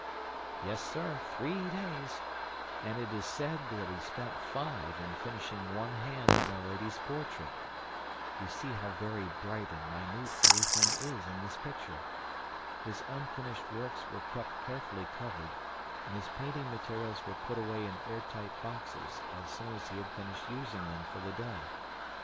"Yes, sir, three days. And it is said that he spent five in finishing one hand in a lady's portrait. You see how very bright and minute everything is in this picture. His unfinished works were kept carefully covered and his painting materials were put away in airtight boxes as soon as he had finished using them for the day.